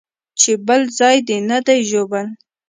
چې بل ځاى دې نه دى ژوبل.